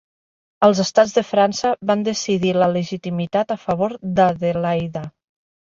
Els Estats de França van decidir la legitimitat a favor d'Adelaida.